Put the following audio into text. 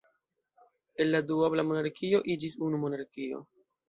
El la duobla monarkio iĝis unu monarkio.